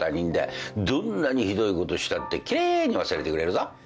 どんなにひどいことしたってきれいに忘れてくれるぞ。